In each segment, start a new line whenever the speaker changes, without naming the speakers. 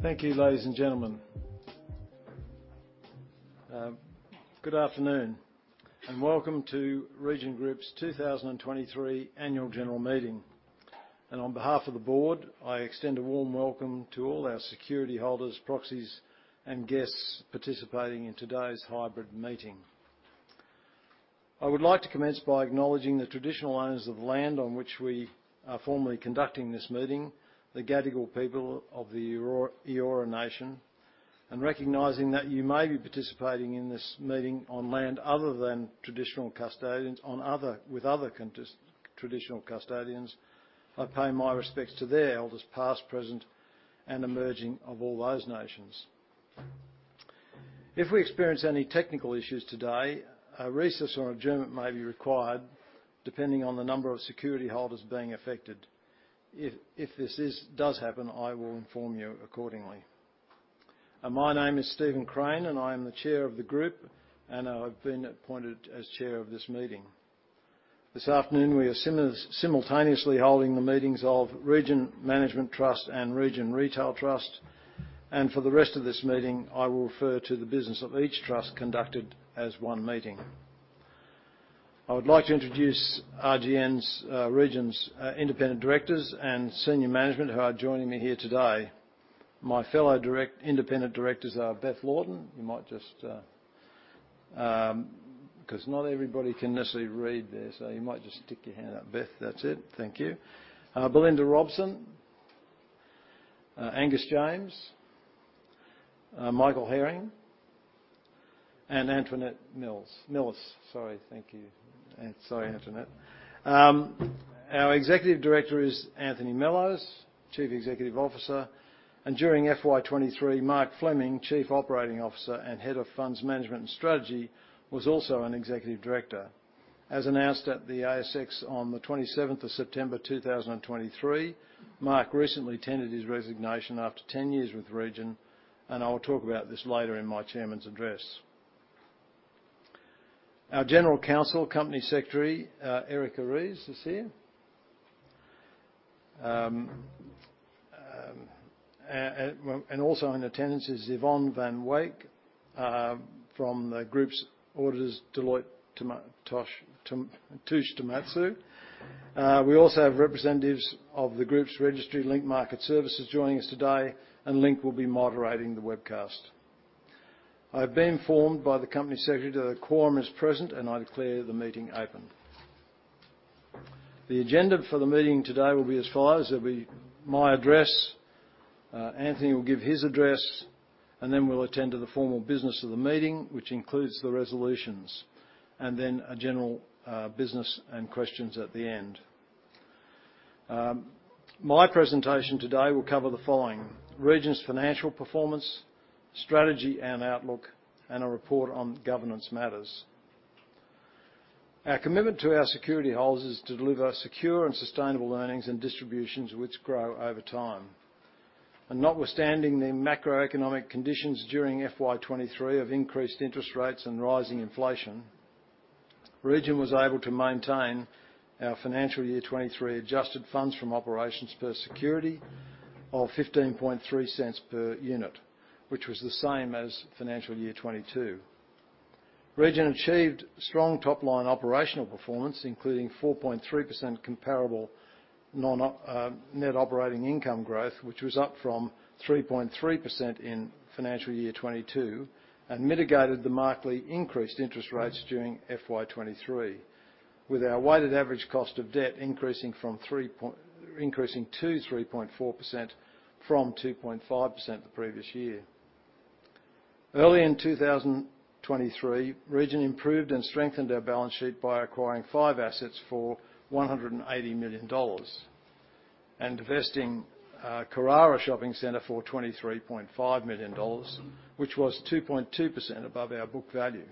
Thank you, ladies and gentlemen. Good afternoon, and welcome to Region Group's 2023 Annual General Meeting. On behalf of the board, I extend a warm welcome to all our security holders, proxies, and guests participating in today's hybrid meeting. I would like to commence by acknowledging the traditional owners of the land on which we are formally conducting this meeting, the Gadigal people of the Eora Nation, and recognizing that you may be participating in this meeting on land other than traditional custodians, with other traditional custodians. I pay my respects to their elders, past, present, and emerging of all those nations. If we experience any technical issues today, a recess or adjournment may be required, depending on the number of security holders being affected. If this does happen, I will inform you accordingly. My name is Steven Crane, and I am the Chair of the Group, and I've been appointed as chair of this meeting. This afternoon, we are simultaneously holding the meetings of Region Management Trust and Region Retail Trust, and for the rest of this meeting, I will refer to the business of each trust conducted as one meeting. I would like to introduce Region's independent directors and senior management who are joining me here today. My fellow independent directors are Beth Laughton. You might just, 'cause not everybody can necessarily read there, so you might just stick your hand out, Beth. That's it. Thank you. Belinda Robson, Angus James, Michael Herring, and Antoinette Milis. Sorry, thank you. And sorry, Antoinette. Our executive director is Anthony Mellowes, Chief Executive Officer, and during Financial Year 2023, Mark Fleming, Chief Operating Officer and Head of Funds Management and Strategy, was also an executive director. As announced at the ASX on the 27th of September 2023, Mark recently tendered his resignation after ten years with Region, and I will talk about this later in my chairman's address. Our General Counsel, Company Secretary, Erica Rees, is here. Also in attendance is Yvonne van Wijk from the Group's auditors, Deloitte Touche Tohmatsu. We also have representatives of the Group's registry, Link Market Services, joining us today, and Link will be moderating the webcast. I've been informed by the company secretary that a quorum is present, and I declare the meeting open. The agenda for the meeting today will be as follows: There'll be my address, Anthony will give his address, and then we'll attend to the formal business of the meeting, which includes the resolutions, and then a general business and questions at the end. My presentation today will cover the following: Region's financial performance, strategy and outlook, and a report on governance matters. Our commitment to our security holders is to deliver secure and sustainable earnings and distributions, which grow over time. Notwithstanding the macroeconomic conditions during FY 2023 of increased interest rates and rising inflation, Region was able to maintain our financial year 2023 adjusted funds from operations per security of $0.153 per unit, which was the same as financial year 2022. Region achieved strong top-line operational performance, including 4.3% comparable NOI growth, which was up from 3.3% in financial year 2022, and mitigated the markedly increased interest rates during FY 2023, with our weighted average cost of debt increasing to 3.4% from 2.5% the previous year. Early in 2023, Region improved and strengthened our balance sheet by acquiring five assets for $180 million, and divesting Carrara Shopping Centre for $23.5 million, which was 2.2% above our book value.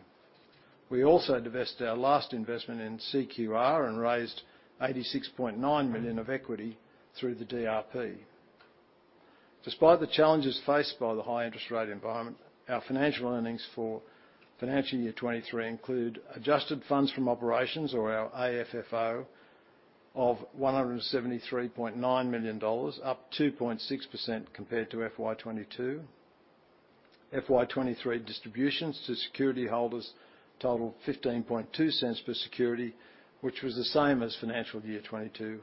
We also divested our last investment in CQR and raised $86.9 million of equity through the DRP. Despite the challenges faced by the high interest rate environment, our financial earnings for financial year 2023 include adjusted funds from operations, or our AFFO, of $173.9 million, up 2.6% compared to FY 2022. FY 2023 distributions to security holders totaled $0.152 per security, which was the same as financial year 2022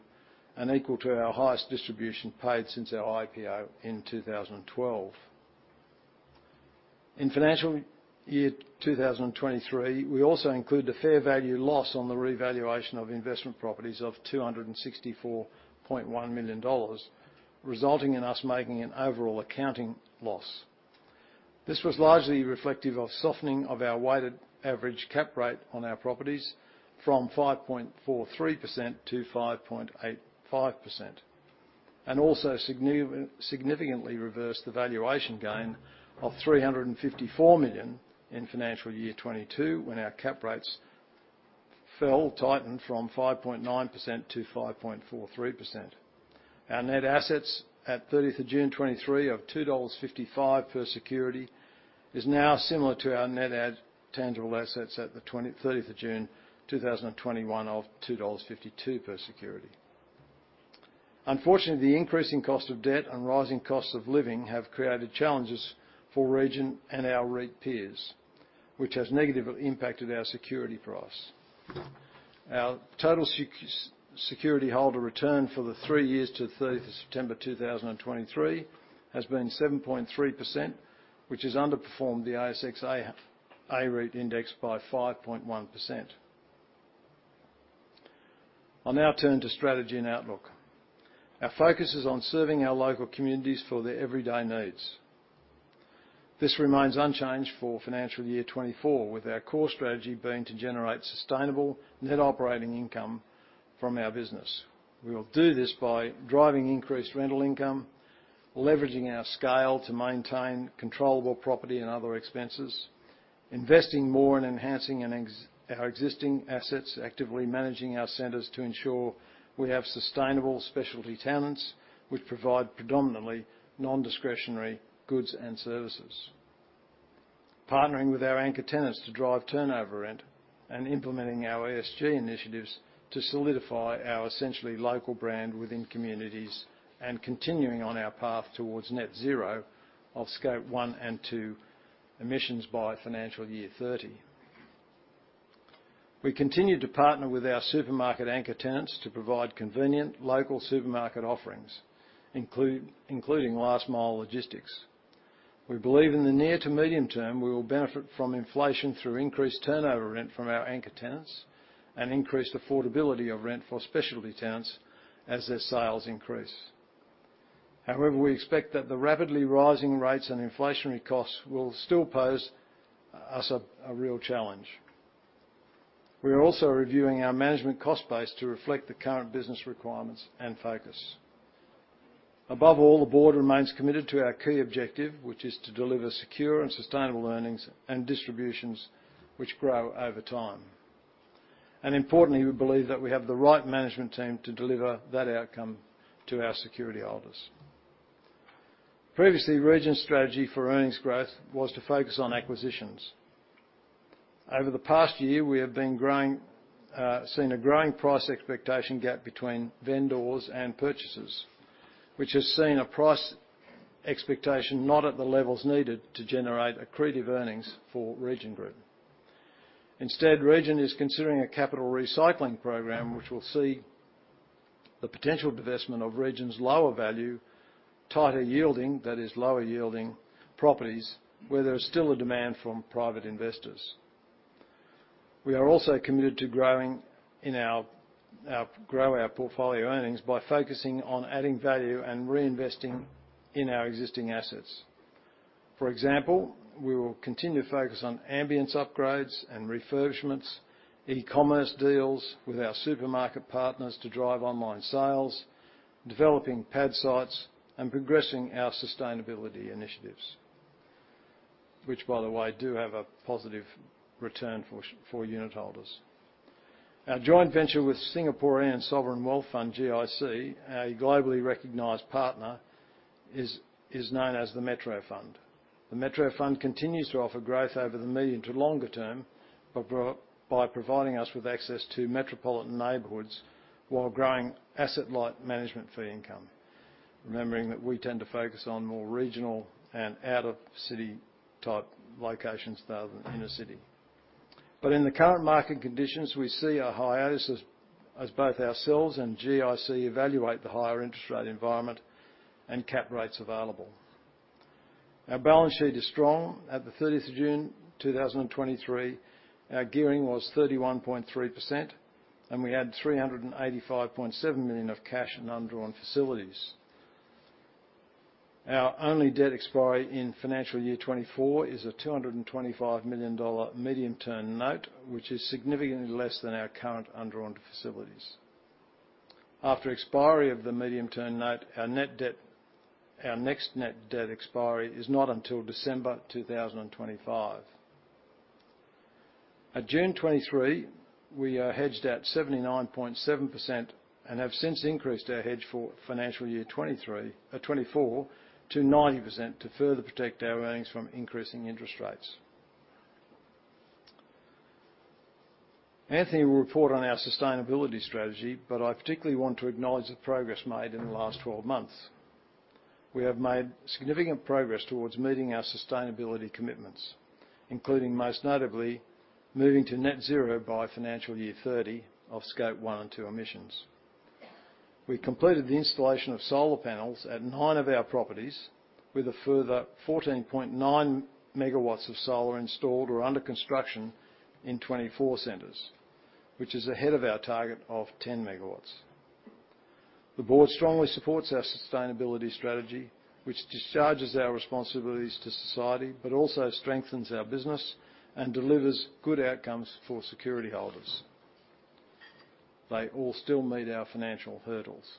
and equal to our highest distribution paid since our IPO in 2012. In financial year 2023, we also include the fair value loss on the revaluation of investment properties of $264.1 million, resulting in us making an overall accounting loss. This was largely reflective of softening of our weighted average cap rate on our properties from 5.43% to 5.85%, and also significantly reversed the valuation gain of $354 million in financial year 2022, when our cap rates fell, tightened from 5.9% to 5.43%. Our net assets at 30th of June 2023 of $2.55 per security is now similar to our net tangible assets at the 30th of June 2021 of $2.52 per security... Unfortunately, the increasing cost of debt and rising cost of living have created challenges for Region and our REIT peers, which has negatively impacted our security price. Our total security holder return for the three years to the 30th of September 2023 has been 7.3%, which has underperformed the ASX A-REIT Index by 5.1%. I'll now turn to strategy and outlook. Our focus is on serving our local communities for their everyday needs. This remains unchanged for financial year 2024, with our core strategy being to generate sustainable net operating income from our business. We will do this by driving increased rental income, leveraging our scale to maintain controllable property and other expenses, investing more in enhancing our existing assets, actively managing our centers to ensure we have sustainable specialty tenants, which provide predominantly non-discretionary goods and services. Partnering with our anchor tenants to drive turnover rent, and implementing our ESG initiatives to solidify our essentially local brand within communities, and continuing on our path towards Net Zero of Scope 1 and 2 Emissions by financial year 2030. We continue to partner with our supermarket anchor tenants to provide convenient local supermarket offerings, including last mile logistics. We believe in the near to medium term, we will benefit from inflation through increased turnover rent from our anchor tenants, and increased affordability of rent for specialty tenants as their sales increase. However, we expect that the rapidly rising rates and inflationary costs will still pose us a real challenge. We are also reviewing our management cost base to reflect the current business requirements and focus. Above all, the board remains committed to our key objective, which is to deliver secure and sustainable earnings and distributions, which grow over time. Importantly, we believe that we have the right management team to deliver that outcome to our security holders. Previously, Region's strategy for earnings growth was to focus on acquisitions. Over the past year, we have seen a growing price expectation gap between vendors and purchasers, which has seen a price expectation not at the levels needed to generate accretive earnings for Region Group. Instead, Region is considering a capital recycling program, which will see the potential divestment of Region's lower value, tighter yielding, that is, lower yielding properties, where there is still a demand from private investors. We are also committed to growing our portfolio earnings by focusing on adding value and reinvesting in our existing assets. For example, we will continue to focus on ambience upgrades and refurbishments, e-commerce deals with our supermarket partners to drive online sales, developing pad sites, and progressing our sustainability initiatives, which, by the way, do have a positive return for unitholders. Our joint venture with Singaporean Sovereign Wealth Fund, GIC, a globally recognized partner, is known as The Metro Fund. The Metro Fund continues to offer growth over the medium to longer term, by providing us with access to metropolitan neighborhoods while growing asset-light management fee income. Remembering that we tend to focus on more regional and out-of-city-type locations rather than inner city. But in the current market conditions, we see a hiatus as both ourselves and GIC evaluate the higher interest rate environment and cap rates available. Our balance sheet is strong. At the 30th of June, 2023, our gearing was 31.3%, and we had $385.7 million of cash in undrawn facilities. Our only debt expiry in financial year 2024 is an $225 million Medium Term Note, which is significantly less than our current undrawn facilities. After expiry of the Medium Term Note, our net debt. Our next net debt expiry is not until December, 2025. At June 2023, we are hedged at 79.7% and have since increased our hedge for financial year 2023, 2024 to 90%, to further protect our earnings from increasing interest rates. Anthony will report on our sustainability strategy, but I particularly want to acknowledge the progress made in the last twelve months. We have made significant progress towards meeting our sustainability commitments, including, most notably, moving to Net Zero by financial year 2030 of Scope 1 and 2 Emissions. We completed the installation of solar panels at nine of our properties, with a further 14.9 MW of solar installed or under construction in 24 centers, which is ahead of our target of 10 MW. The board strongly supports our sustainability strategy, which discharges our responsibilities to society, but also strengthens our business and delivers good outcomes for security holders. They all still meet our financial hurdles.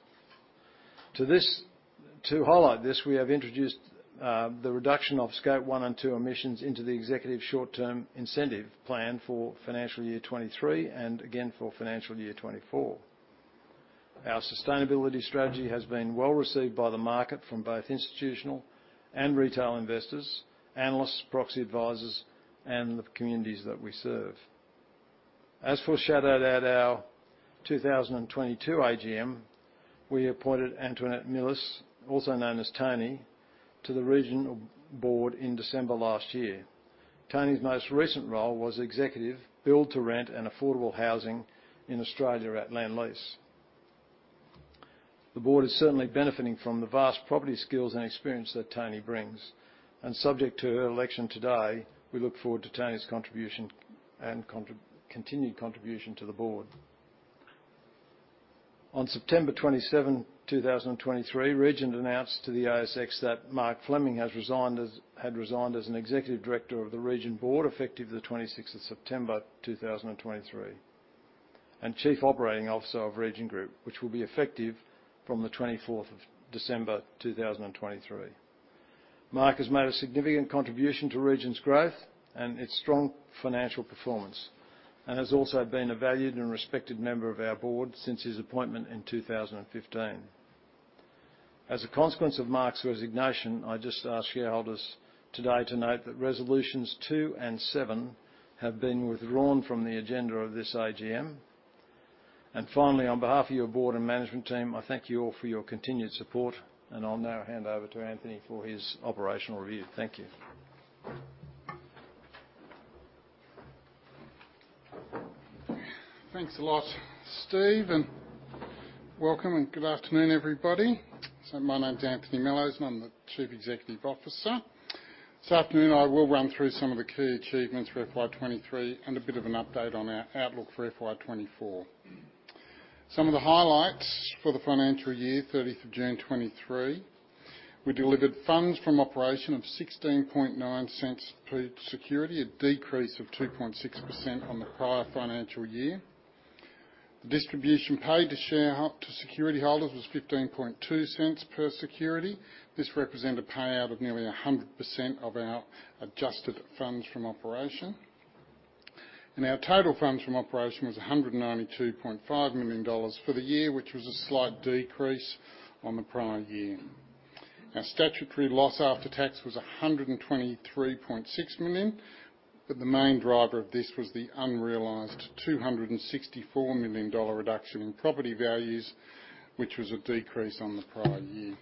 To highlight this, we have introduced the reduction of Scope 1 and 2 Emissions into the executive short-term incentive plan for financial year 2023, and again for financial year 2024. Our sustainability strategy has been well-received by the market from both institutional and retail investors, analysts, proxy advisors, and the communities that we serve. As foreshadowed at our 2022 AGM, we appointed Antoinette Milis, also known as Toni, to the Region Board in December last year. Toni's most recent role was Executive Build to Rent and Affordable Housing in Australia at Lendlease. The board is certainly benefiting from the vast property skills and experience that Toni brings, and subject to her election today, we look forward to Toni's contribution and continued contribution to the board. On September 27, 2023, Region announced to the ASX that Mark Fleming had resigned as an executive director of the Region Board, effective the 26th of September, 2023, and Chief Operating Officer of Region Group, which will be effective from the 24th of December, 2023. Mark has made a significant contribution to Region's growth and its strong financial performance, and has also been a valued and respected member of our board since his appointment in 2015. As a consequence of Mark's resignation, I just ask shareholders today to note that Resolutions 2 and 7 have been withdrawn from the agenda of this AGM. Finally, on behalf of your board and management team, I thank you all for your continued support, and I'll now hand over to Anthony for his operational review. Thank you.
Thanks a lot, Steve, and welcome, and good afternoon, everybody. My name is Anthony Mellowes, and I'm the Chief Executive Officer. This afternoon, I will run through some of the key achievements for FY 2023 and a bit of an update on our outlook for FY 2024. Some of the highlights for the financial year, 30 June 2023, we delivered funds from operation of 16.9 cents per security, a decrease of 2.6% on the prior financial year. The distribution paid to security holders was 15.2 cents per security. This represented a payout of nearly 100% of our adjusted funds from operation. Our total funds from operation was $192.5 million for the year, which was a slight decrease on the prior year. Our statutory loss after tax was $123.6 million, but the main driver of this was the unrealized $264 million reduction in property values, which was a decrease on the prior year.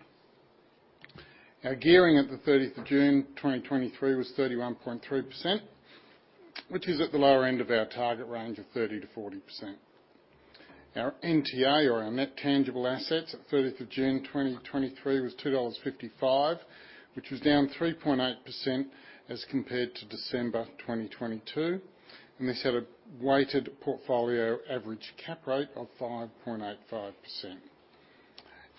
Our gearing at the 30th of June 2023 was 31.3%, which is at the lower end of our target range of 30%-40%. Our NTA, or our net tangible assets, at 30th of June 2023 was $2.55, which was down 3.8% as compared to December 2022, and this had a weighted portfolio average cap rate of 5.85%.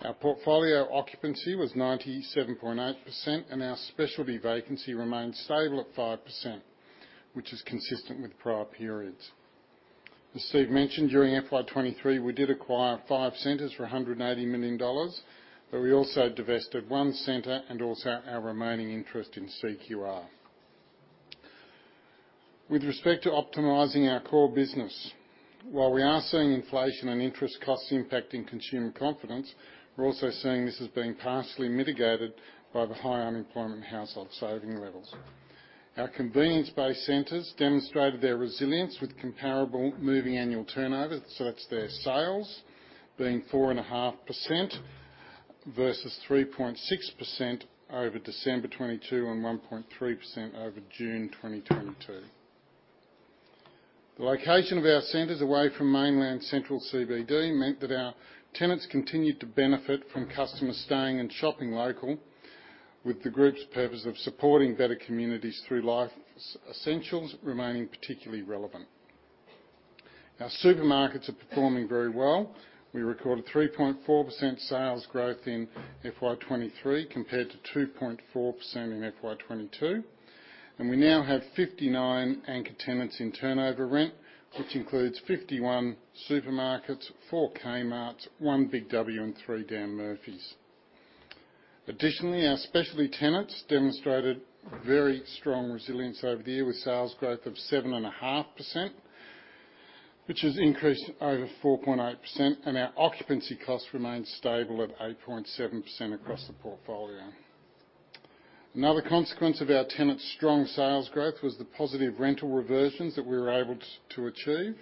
Our portfolio occupancy was 97.8%, and our specialty vacancy remained stable at 5%, which is consistent with prior periods. As Steve mentioned, during FY 2023, we did acquire five centers for $180 million, but we also divested one center and also our remaining interest in CQR. With respect to optimizing our core business, while we are seeing inflation and interest costs impacting consumer confidence, we're also seeing this as being partially mitigated by the high unemployment and household saving levels. Our convenience-based centers demonstrated their resilience with comparable moving annual turnover, so that's their sales, being 4.5% versus 3.6% over December 2022 and 1.3% over June 2022. The location of our centers away from mainland central CBD meant that our tenants continued to benefit from customers staying and shopping local, with the Group's purpose of supporting better communities through life's essentials remaining particularly relevant. Our supermarkets are performing very well. We recorded 3.4% sales growth in FY 2023, compared to 2.4% in FY 2022, and we now have 59 anchor tenants in turnover rent, which includes 51 supermarkets, 4 Kmart, 1 Big W, and 3 Dan Murphy's. Additionally, our specialty tenants demonstrated very strong resilience over the year, with sales growth of 7.5%, which has increased over 4.8%, and our occupancy costs remained stable at 8.7% across the portfolio. Another consequence of our tenants' strong sales growth was the positive rental reversions that we were able to to achieve,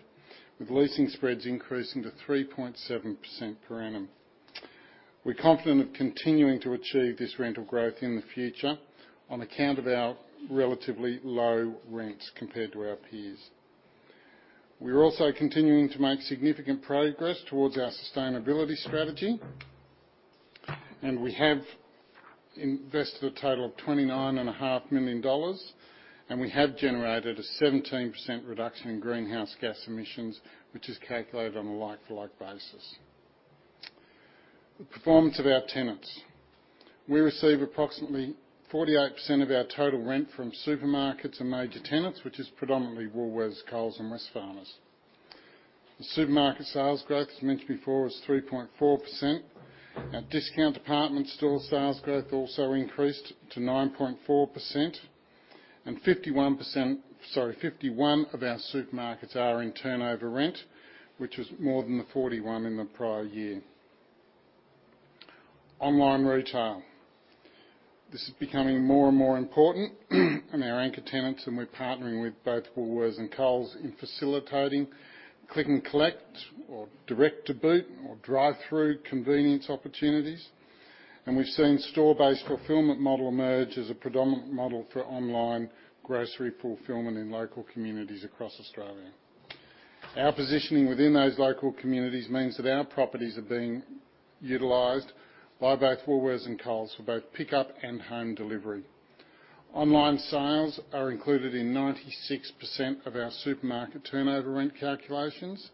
with leasing spreads increasing to 3.7% per annum. We're confident of continuing to achieve this rental growth in the future on account of our relatively low rents compared to our peers. We are also continuing to make significant progress towards our sustainability strategy, and we have invested a total of $29.5 million, and we have generated a 17% reduction in greenhouse gas emissions, which is calculated on a like-for-like basis. The performance of our tenants. We receive approximately 48% of our total rent from supermarkets and major tenants, which is predominantly Woolworths, Coles, and Wesfarmers. The supermarket sales growth, as mentioned before, is 3.4%. Our discount department store sales growth also increased to 9.4%, and 51%-- sorry, 51% of our supermarkets are in turnover rent, which is more than the 41 in the prior year.... Online retail. This is becoming more and more important in our anchor tenants, and we're partnering with both Woolworths and Coles in facilitating click and collect or direct to boot or drive-through convenience opportunities. We've seen store-based fulfillment model emerge as a predominant model for online grocery fulfillment in local communities across Australia. Our positioning within those local communities means that our properties are being utilized by both Woolworths and Coles for both pickup and home delivery. Online sales are included in 96% of our supermarket turnover rent calculations,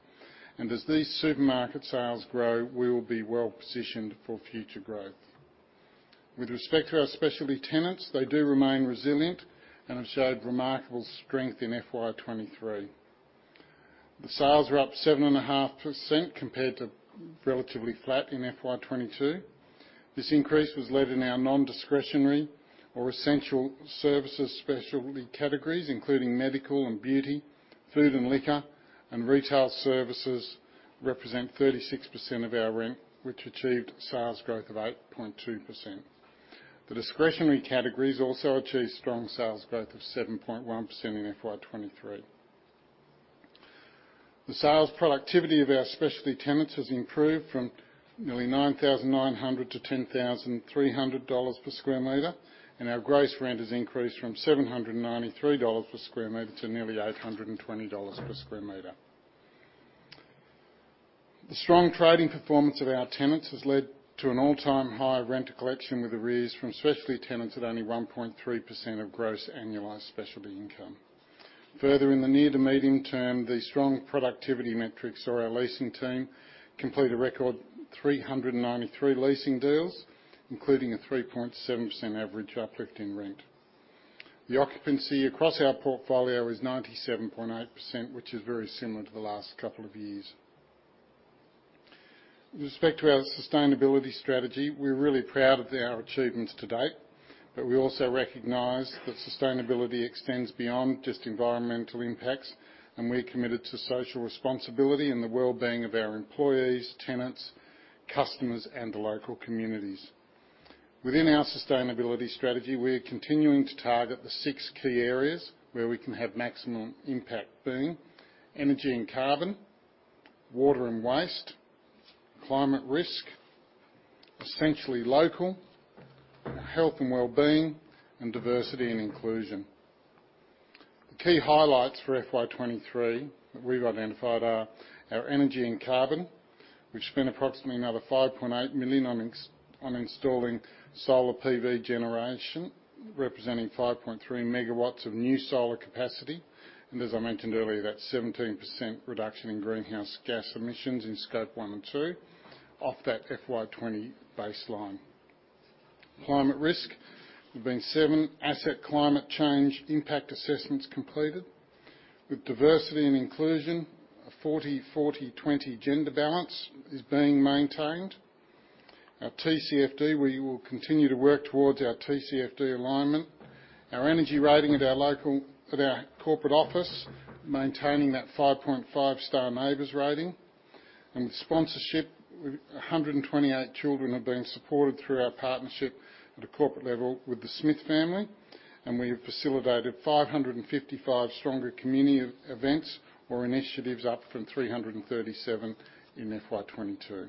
and as these supermarket sales grow, we will be well-positioned for future growth. With respect to our specialty tenants, they do remain resilient and have showed remarkable strength in FY 2023. The sales are up 7.5% compared to relatively flat in FY 2022. This increase was led in our non-discretionary or essential services specialty categories, including medical and beauty, food and liquor, and retail services, represent 36% of our rent, which achieved sales growth of 8.2%. The discretionary categories also achieved strong sales growth of 7.1% in FY 2023. The sales productivity of our specialty tenants has improved from nearly $9,900 to $10,300 per sq m, and our gross rent has increased from $793 per sq m to nearly $820 per sq m. The strong trading performance of our tenants has led to an all-time high rent collection, with arrears from specialty tenants at only 1.3% of gross annualized specialty income. Further, in the near to medium term, the strong productivity metrics saw our leasing team complete a record 393 leasing deals, including a 3.7% average uplift in rent. The occupancy across our portfolio is 97.8%, which is very similar to the last couple of years. With respect to our sustainability strategy, we're really proud of our achievements to date, but we also recognize that sustainability extends beyond just environmental impacts, and we're committed to social responsibility and the well-being of our employees, tenants, customers, and the local communities. Within our sustainability strategy, we are continuing to target the six key areas where we can have maximum impact, being energy and carbon, water and waste, climate risk, essentially local, health and well-being, and diversity and inclusion. The key highlights for FY 2023 that we've identified are: our energy and carbon, we've spent approximately another $5.8 million on installing solar PV generation, representing 5.3 megawatts of new solar capacity, and as I mentioned earlier, that 17% reduction in greenhouse gas emissions in Scope 1 and 2 off that FY 2020 baseline. Climate risk, there have been seven asset climate change impact assessments completed. With diversity and inclusion, a 40/40/20 gender balance is being maintained. Our TCFD, we will continue to work towards our TCFD alignment. Our energy rating at our corporate office, maintaining that 5.5-star NABERS rating. With sponsorship, 128 children are being supported through our partnership at a corporate level with The Smith Family, and we have facilitated 555 stronger community events or initiatives, up from 337 in FY 2022.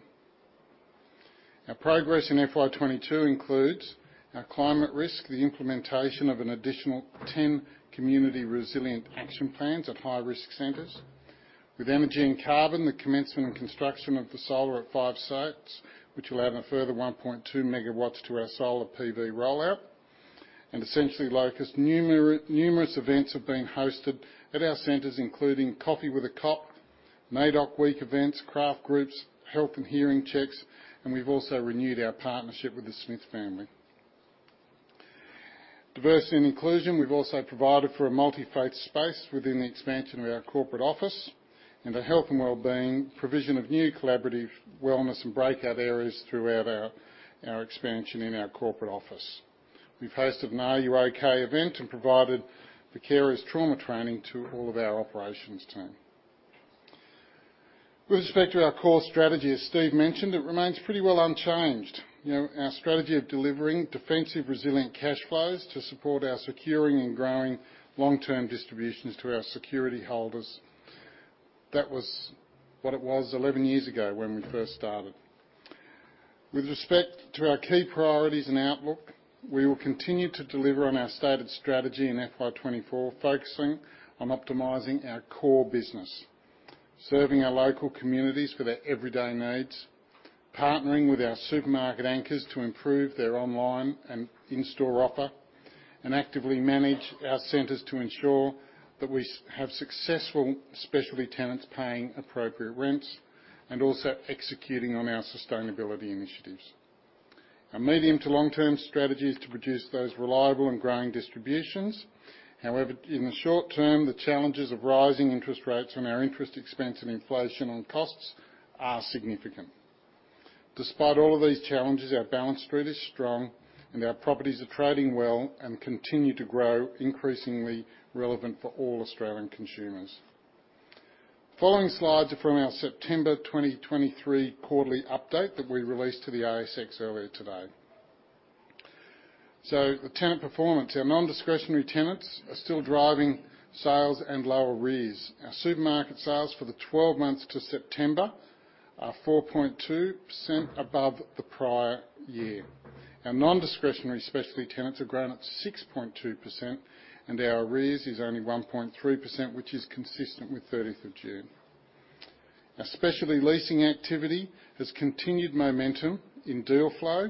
Our progress in FY 2022 includes: our climate risk, the implementation of an additional 10 community resilient action plans at high-risk centers. With energy and carbon, the commencement and construction of the solar at 5 sites, which will add a further 1.2 megawatts to our solar PV rollout. Essentially Local numerous, numerous events have been hosted at our centers, including Coffee with a Cop, NAIDOC Week events, craft groups, health and hearing checks, and we've also renewed our partnership with The Smith Family. Diversity and inclusion, we've also provided for a multi-faith space within the expansion of our corporate office. The health and well-being provision of new collaborative wellness and breakout areas throughout our expansion in our corporate office. We've hosted an R U OK? event and provided the carers trauma training to all of our operations team. With respect to our core strategy, as Steve mentioned, it remains pretty well unchanged. You know, our strategy of delivering defensive, resilient cash flows to support our securing and growing long-term distributions to our security holders. That was what it was 11 years ago when we first started. With respect to our key priorities and outlook, we will continue to deliver on our stated strategy in FY 2024, focusing on optimizing our core business, serving our local communities for their everyday needs, partnering with our supermarket anchors to improve their online and in-store offer, and actively manage our centers to ensure that we have successful specialty tenants paying appropriate rents, and also executing on our sustainability initiatives. Our medium to long-term strategy is to produce those reliable and growing distributions. However, in the short term, the challenges of rising interest rates on our interest expense and inflation on costs are significant. Despite all of these challenges, our balance sheet is strong, and our properties are trading well and continue to grow increasingly relevant for all Australian consumers. The following slides are from our September 2023 quarterly update that we released to the ASX earlier today. The tenant performance. Our non-discretionary tenants are still driving sales and lower arrears. Our supermarket sales for the 12 months to September are 4.2% above the prior year. Our non-discretionary specialty tenants have grown at 6.2%, and our arrears is only 1.3%, which is consistent with 13th of June. Our specialty leasing activity has continued momentum in deal flow,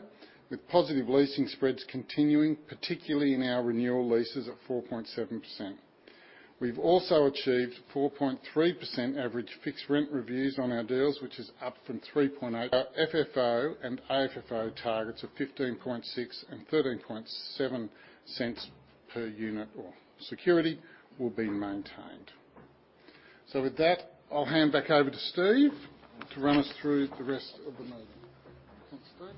with positive leasing spreads continuing, particularly in our renewal leases at 4.7%. We've also achieved 4.3% average fixed rent reviews on our deals, which is up from 3.8. Our FFO and AFFO targets of $0.156 and $0.137 per unit or security will be maintained. With that, I'll hand back over to Steve to run us through the rest of the meeting. Thanks, Steve.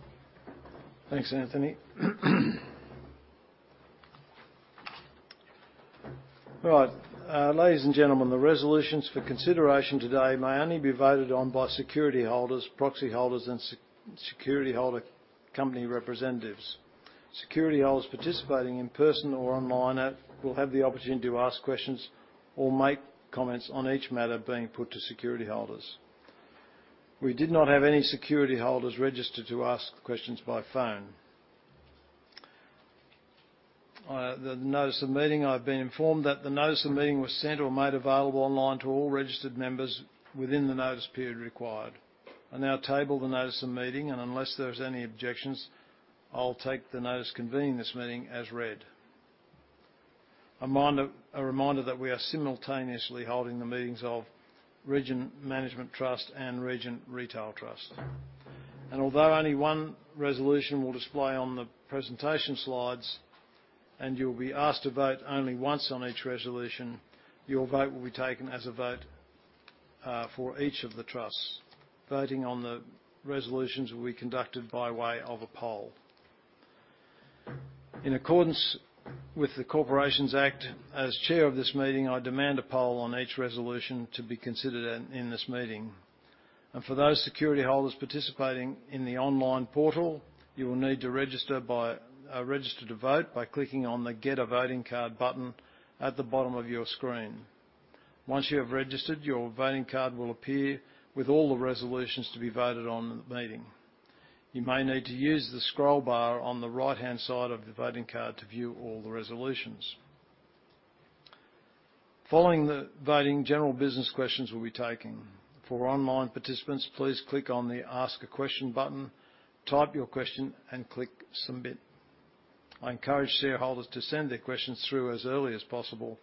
Thanks, Anthony. All right. Ladies and gentlemen, the resolutions for consideration today may only be voted on by security holders, proxy holders, and security holder company representatives. Security holders participating in person or online will have the opportunity to ask questions or make comments on each matter being put to security holders. We did not have any security holders registered to ask questions by phone. The notice of the meeting, I've been informed that the notice of meeting was sent or made available online to all registered members within the notice period required. I now table the notice of meeting, and unless there's any objections, I'll take the notice convening this meeting as read. A reminder that we are simultaneously holding the meetings of Region Management Trust and Region Retail Trust. And although only one resolution will display on the presentation slides, and you'll be asked to vote only once on each resolution, your vote will be taken as a vote for each of the trusts. Voting on the resolutions will be conducted by way of a poll. In accordance with the Corporations Act, as chair of this meeting, I demand a poll on each resolution to be considered in this meeting. And for those security holders participating in the online portal, you will need to register to vote by clicking on the Get a Voting Card button at the bottom of your screen. Once you have registered, your voting card will appear with all the resolutions to be voted on in the meeting. You may need to use the scroll bar on the right-hand side of the voting card to view all the resolutions. Following the voting, general business questions will be taken. For online participants, please click on the Ask a Question button, type your question, and click Submit. I encourage shareholders to send their questions through as early as possible.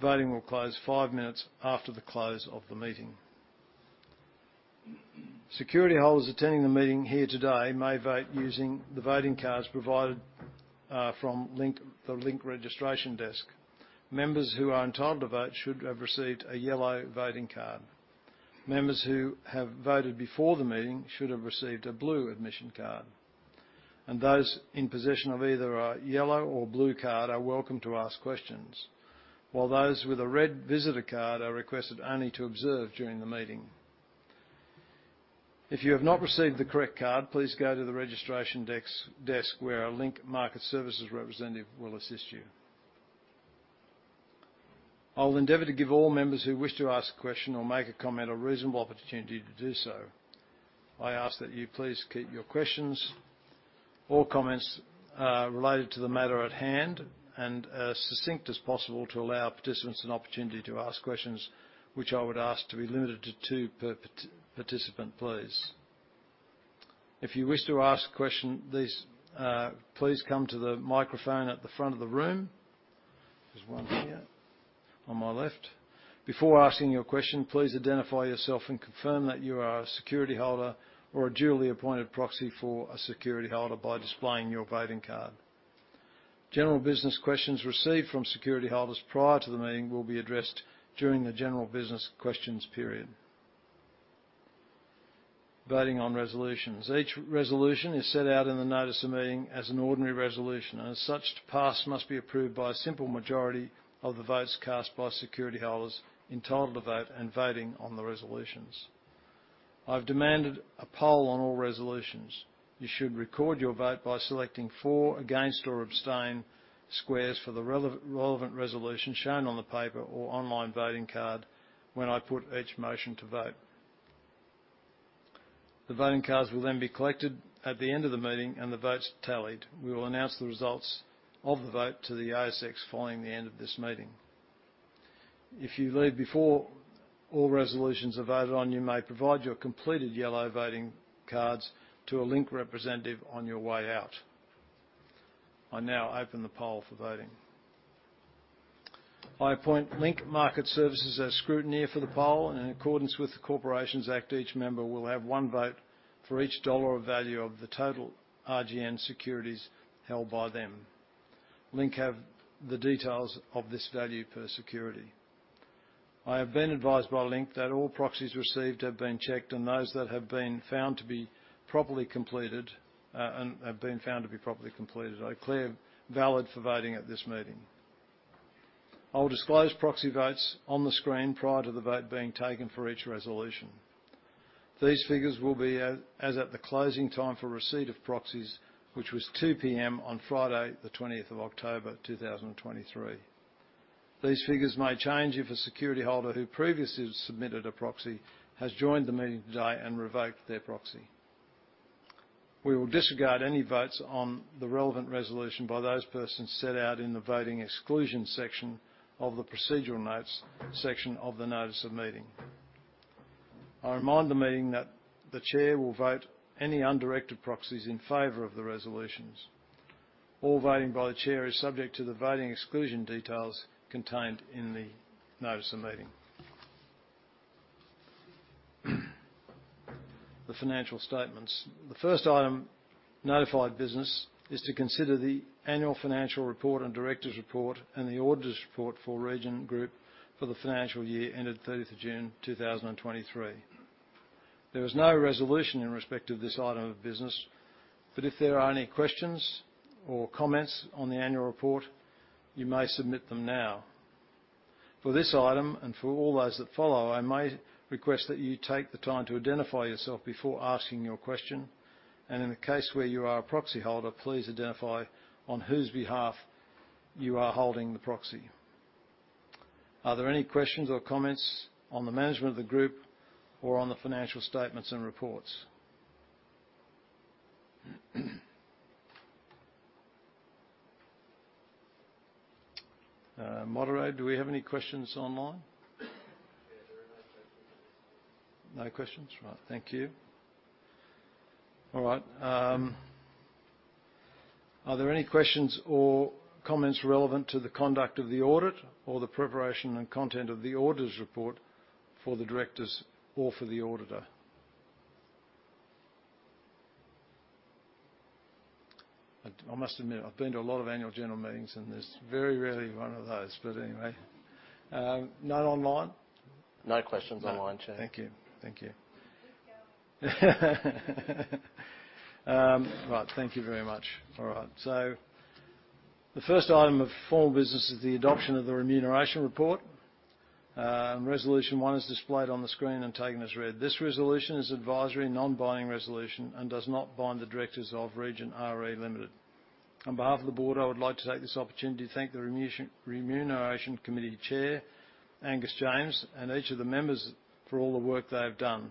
Voting will close five minutes after the close of the meeting. Security holders attending the meeting here today may vote using the voting cards provided from Link, the Link registration desk. Members who are entitled to vote should have received a yellow voting card. Members who have voted before the meeting should have received a blue admission card, and those in possession of either a yellow or blue card are welcome to ask questions, while those with a red visitor card are requested only to observe during the meeting. If you have not received the correct card, please go to the registration desk, where our Link Market Services representative will assist you. I'll endeavor to give all members who wish to ask a question or make a comment a reasonable opportunity to do so. I ask that you please keep your questions or comments related to the matter at hand and succinct as possible to allow participants an opportunity to ask questions, which I would ask to be limited to two per participant, please. If you wish to ask a question, please, please come to the microphone at the front of the room. There's one here on my left. Before asking your question, please identify yourself and confirm that you are a security holder or a duly appointed proxy for a security holder by displaying your voting card. General business questions received from security holders prior to the meeting will be addressed during the general business questions period. Voting on resolutions. Each resolution is set out in the notice of meeting as an ordinary resolution, and as such, to pass, must be approved by a simple majority of the votes cast by security holders entitled to vote and voting on the resolutions. I've demanded a poll on all resolutions. You should record your vote by selecting for, against, or abstain squares for the relevant resolution shown on the paper or online voting card when I put each motion to vote. The voting cards will then be collected at the end of the meeting, and the votes tallied. We will announce the results of the vote to the ASX following the end of this meeting. If you leave before all resolutions are voted on, you may provide your completed yellow voting cards to a Link representative on your way out. I now open the poll for voting. I appoint Link Market Services as scrutineer for the poll, and in accordance with the Corporations Act, each member will have one vote for each dollar of value of the total RGN securities held by them. Link have the details of this value per security. I have been advised by Link that all proxies received have been checked, and those that have been found to be properly completed are clear, valid for voting at this meeting. I will disclose proxy votes on the screen prior to the vote being taken for each resolution. These figures will be as at the closing time for receipt of proxies, which was 2:00 P.M. on Friday, the twentieth of October, 2023. These figures may change if a security holder who previously submitted a proxy has joined the meeting today and revoked their proxy. We will disregard any votes on the relevant resolution by those persons set out in the voting exclusion section of the procedural notes section of the notice of meeting. I remind the meeting that the Chair will vote any undirected proxies in favor of the resolutions. All voting by the Chair is subject to the voting exclusion details contained in the notice of meeting. The financial statements. The first item, notified business, is to consider the annual financial report and directors' report and the auditor's report for Region Group for the financial year ended 30th of June, 2023. There is no resolution in respect of this item of business, but if there are any questions or comments on the annual report, you may submit them now. For this item, and for all those that follow, I may request that you take the time to identify yourself before asking your question, and in the case where you are a proxy holder, please identify on whose behalf you are holding the proxy. Are there any questions or comments on the management of the group or on the financial statements and reports? Moderator, do we have any questions online?
Yeah, there are no questions.
No questions? Right. Thank you. All right, are there any questions or comments relevant to the conduct of the audit or the preparation and content of the auditor's report for the directors or for the auditor? I must admit, I've been to a lot of annual general meetings, and there's very rarely one of those, but anyway. None online?
No questions online, Chair.
Thank you. Thank you. Right, thank you very much. All right, so the first item of formal business is the adoption of the remuneration report. Resolution one is displayed on the screen and taken as read. This resolution is advisory, non-binding resolution and does not bind the directors of Region Group. On behalf of the board, I would like to take this opportunity to thank the remuneration committee Chair, Angus James, and each of the members for all the work they have done.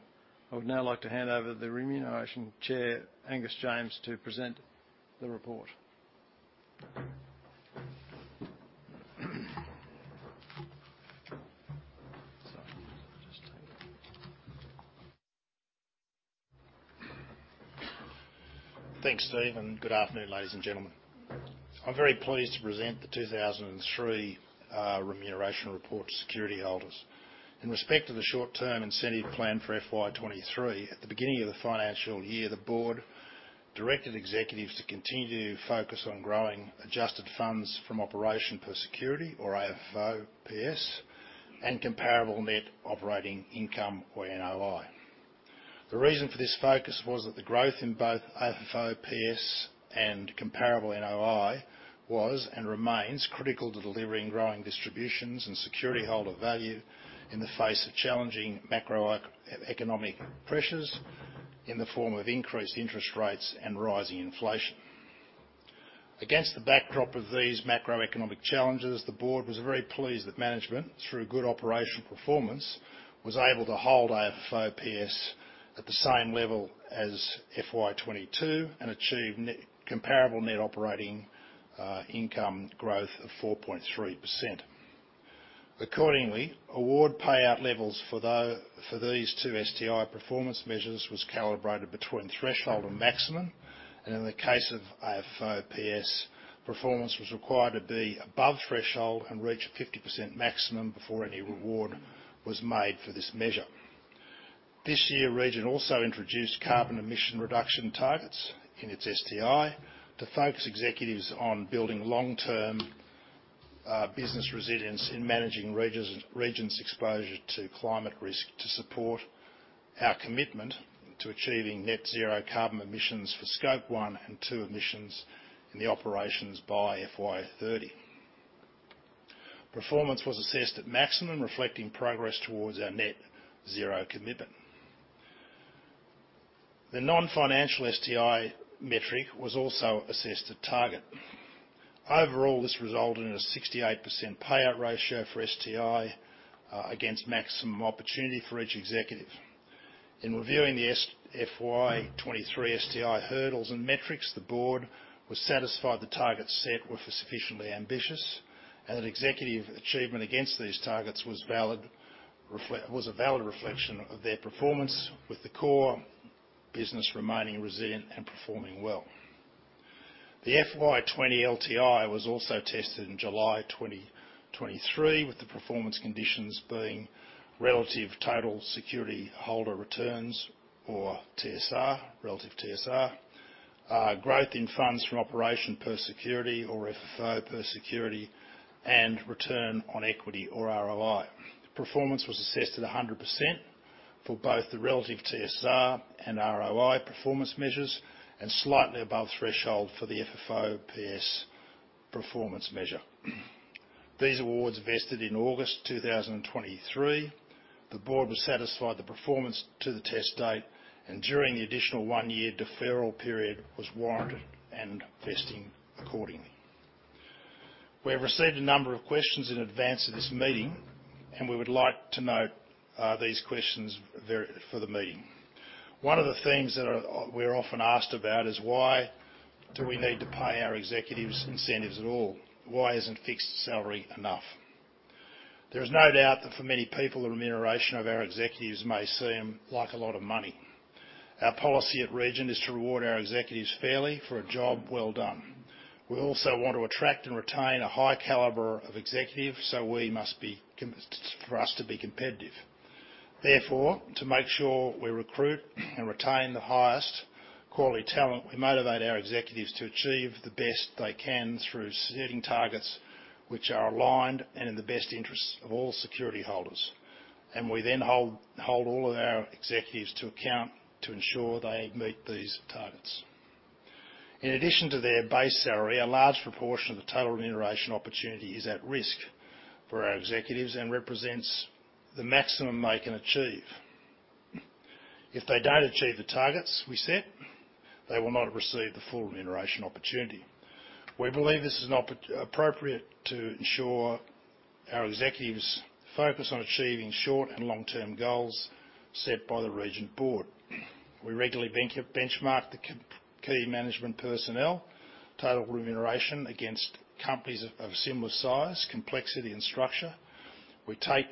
I would now like to hand over the Remuneration Chair, Angus James, to present the report.
Thanks, Steve, and good afternoon, ladies and gentlemen. I'm very pleased to present the 2023 remuneration report to security holders. In respect to the short-term incentive plan for FY 2023, at the beginning of the financial year, the board directed executives to continue to focus on growing adjusted funds from operation per security, or AFFOPS, and comparable net operating income, or NOI. The reason for this focus was that the growth in both AFFOPS and comparable NOI was and remains critical to delivering growing distributions and security holder value in the face of challenging macroeconomic pressures in the form of increased interest rates and rising inflation. Against the backdrop of these macroeconomic challenges, the board was very pleased that management, through good operational performance, was able to hold AFFOPS at the same level as FY 2022 and achieve net... Comparable net operating income growth of 4.3%. Accordingly, award payout levels for those two STI performance measures was calibrated between threshold and maximum, and in the case of AFFOPS, performance was required to be above threshold and reach a 50% maximum before any reward was made for this measure. This year, Region also introduced carbon emission reduction targets in its STI to focus executives on building long-term business resilience in managing Region's exposure to climate risk, to support our commitment to achieving Net Zero carbon emissions for Scope One and Two emissions in the operations by FY 2030. Performance was assessed at maximum, reflecting progress towards our Net Zero commitment. The non-financial STI metric was also assessed at target. Overall, this resulted in a 68% payout ratio for STI against maximum opportunity for each executive. In reviewing the FY 2023 STI hurdles and metrics, the board was satisfied the targets set were sufficiently ambitious, and that executive achievement against these targets was a valid reflection of their performance with the core business remaining resilient and performing well. The FY 2020 LTI was also tested in July 2023, with the performance conditions being relative total security holder returns, or TSR, relative TSR, growth in funds from operation per security or FFO per security, and return on equity or ROE. Performance was assessed at 100% for both the relative TSR and ROE performance measures, and slightly above threshold for the FFOPS performance measure. These awards vested in August 2023. The board was satisfied the performance to the test date, and during the additional one-year deferral period, was warranted and vesting accordingly. We have received a number of questions in advance of this meeting, and we would like to note these questions for the meeting. One of the things that we're often asked about is why do we need to pay our executives incentives at all? Why isn't fixed salary enough? There is no doubt that for many people, the remuneration of our executives may seem like a lot of money. Our policy at Region is to reward our executives fairly for a job well done. We also want to attract and retain a high caliber of executives, so we must be competitive for us to be competitive. Therefore, to make sure we recruit and retain the highest quality talent, we motivate our executives to achieve the best they can through setting targets which are aligned and in the best interests of all security holders, and we then hold all of our executives to account to ensure they meet these targets. In addition to their base salary, a large proportion of the total remuneration opportunity is at risk for our executives and represents the maximum they can achieve. If they don't achieve the targets we set, they will not receive the full remuneration opportunity. We believe this is an appropriate to ensure our executives focus on achieving short and long-term goals set by the Region Board. We regularly benchmark the key management personnel total remuneration against companies of similar size, complexity, and structure. We take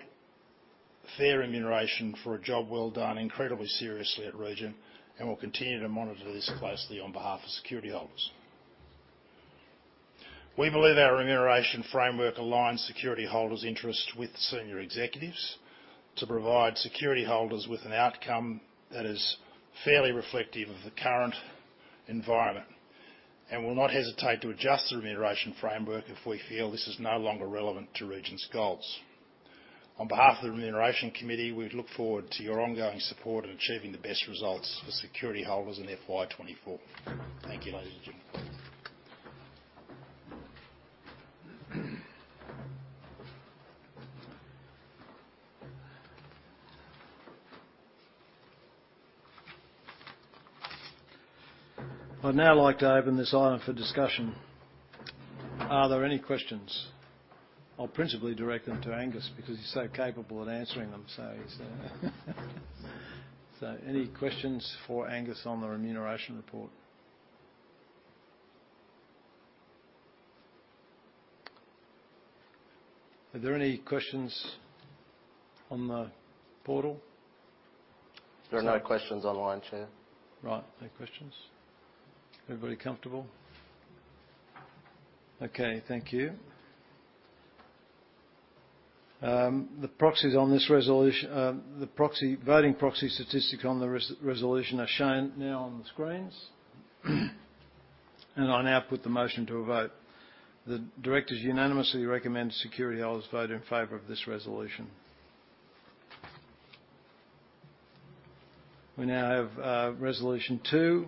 fair remuneration for a job well done incredibly seriously at Region, and we'll continue to monitor this closely on behalf of security holders. We believe our remuneration framework aligns security holders' interests with senior executives to provide security holders with an outcome that is fairly reflective of the current environment, and will not hesitate to adjust the remuneration framework if we feel this is no longer relevant to Region's goals. On behalf of the Remuneration Committee, we look forward to your ongoing support in achieving the best results for security holders in FY 2024. Thank you, ladies and gentlemen. I'd now like to open this item for discussion. Are there any questions? I'll principally direct them to Angus, because he's so capable at answering them. So any questions for Angus on the remuneration report? Are there any questions on the portal?
There are no questions online, Chair.
Right. No questions. Everybody comfortable? Okay, thank you. The proxy voting statistics on the resolution are shown now on the screens. I now put the motion to a vote. The directors unanimously recommend security holders vote in favor of this resolution. We now have resolution two.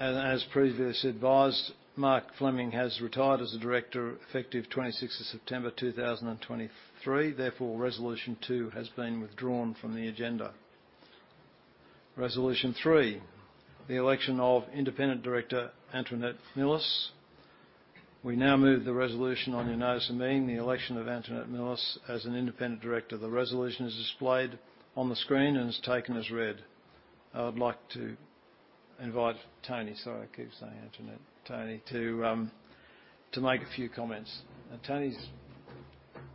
As previously advised, Mark Fleming has retired as a director, effective 26th of September, 2023. Therefore, resolution two has been withdrawn from the agenda. Resolution three, the election of independent director Antoinette Milis. We now move the resolution on your notice of meeting, the election of Antoinette Milis as an independent director. The resolution is displayed on the screen and is taken as read. I would like to invite Toni. Sorry, I keep saying Antoinette. Toni, to make a few comments. Toni's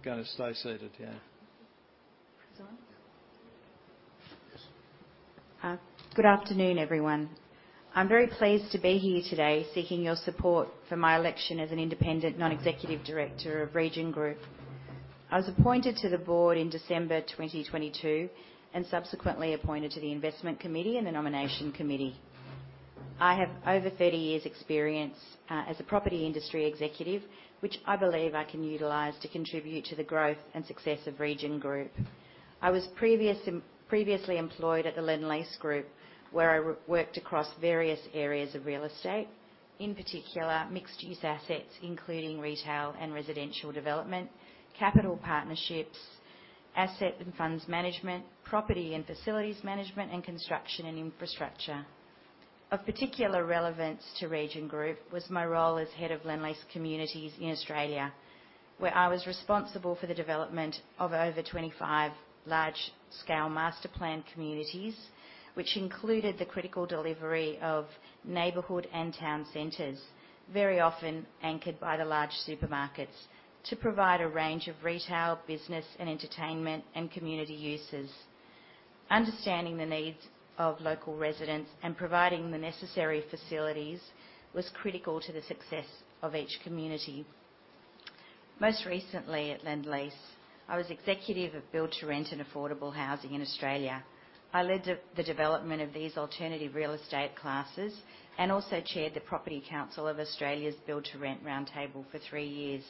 gonna stay seated, yeah.
Good afternoon, everyone. I'm very pleased to be here today, seeking your support for my election as an independent, non-executive director of Region Group. I was appointed to the board in December 2022, and subsequently appointed to the Investment Committee and the Nomination Committee. I have over 30 years' experience as a property industry executive, which I believe I can utilize to contribute to the growth and success of Region Group. I was previously employed at the Lendlease Group, where I worked across various areas of real estate, in particular, mixed-use assets, including retail and residential development, capital partnerships, asset and funds management, property and facilities management, and construction and infrastructure. Of particular relevance to Region Group was my role as head of Lendlease Communities in Australia, where I was responsible for the development of over 25 large-scale master plan communities, which included the critical delivery of neighborhood and town centers, very often anchored by the large supermarkets, to provide a range of retail, business, and entertainment, and community uses. Understanding the needs of local residents and providing the necessary facilities was critical to the success of each community. Most recently, at Lendlease, I was executive of Build to Rent and Affordable Housing in Australia. I led the development of these alternative real estate classes and also chaired the Property Council of Australia's Build to Rent Roundtable for three years....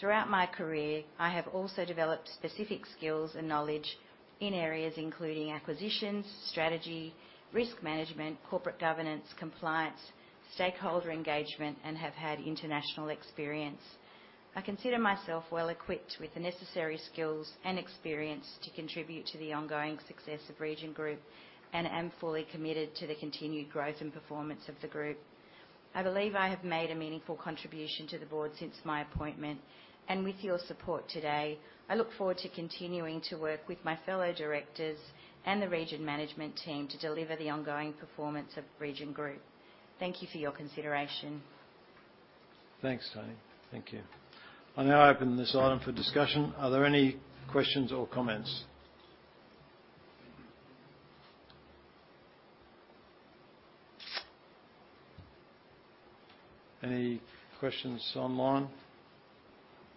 Throughout my career, I have also developed specific skills and knowledge in areas including acquisitions, strategy, risk management, corporate governance, compliance, stakeholder engagement, and have had international experience. I consider myself well-equipped with the necessary skills and experience to contribute to the ongoing success of Region Group, and am fully committed to the continued growth and performance of the group. I believe I have made a meaningful contribution to the board since my appointment, and with your support today, I look forward to continuing to work with my fellow directors and the Region management team to deliver the ongoing performance of Region Group. Thank you for your consideration.
Thanks, Toni. Thank you. I now open this item for discussion. Are there any questions or comments? Any questions online?